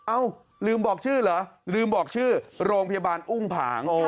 ลืมบอกชื่อเหรอลืมบอกชื่อโรงพยาบาลอุ้งผาง